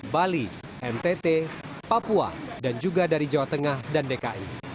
bali ntt papua dan juga dari jawa tengah dan dki